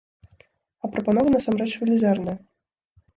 А прапанова насамрэч велізарная.